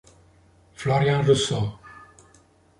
Florian Rousseau